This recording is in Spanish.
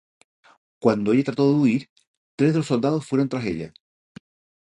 Cuando ella trató de huir, tres de los soldados fueron tras ella.